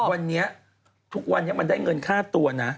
วันนี้ทุกวันนี้มันได้เงินค่าตัวนะ